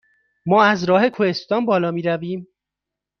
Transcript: ما از راه کوهستان بالا می رویم؟